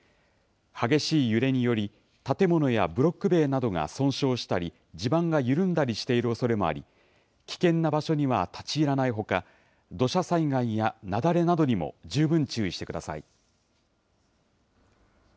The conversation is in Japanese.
激しい揺れにより建物やブロック塀などが損傷したり地盤が緩んだりしているおそれもあり危険な場所には立ち入らないほか土砂災害や雪崩などにも十分注意してください。